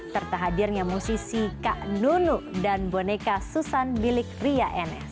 serta hadirnya musisi kak nunu dan boneka susan bilik ria nf